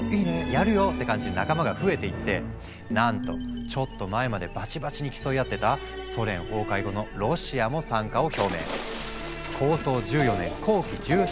「やるよ！」って感じで仲間が増えていってなんとちょっと前までバチバチに競い合ってたソ連崩壊後のロシアも参加を表明。